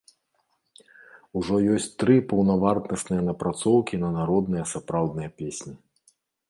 Ужо ёсць тры паўнавартасныя напрацоўкі на народныя сапраўдныя песні.